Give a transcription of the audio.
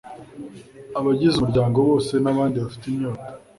abagize umuryango bose n'abandi bafite inyota